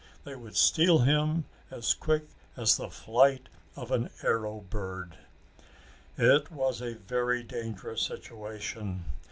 They would steal him as quick as the flight of an arrow bird. It was a very dangerous situation.